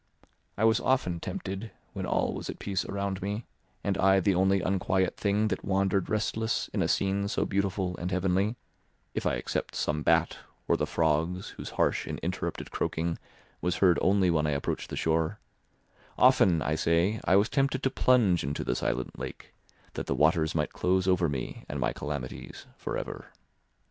I was often tempted, when all was at peace around me, and I the only unquiet thing that wandered restless in a scene so beautiful and heavenly—if I except some bat, or the frogs, whose harsh and interrupted croaking was heard only when I approached the shore—often, I say, I was tempted to plunge into the silent lake, that the waters might close over me and my calamities for ever.